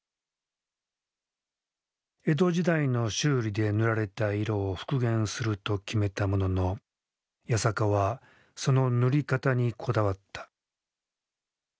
江戸時代の修理で塗られた色を復元すると決めたものの八坂はその塗り方にこだわった。